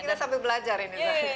kita sudah belajar ini